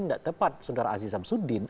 nggak tepat sudara aziz hamzudin